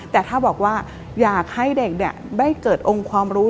แต่ถ้าบอกว่าอยากให้เด็กได้เกิดองค์ความรู้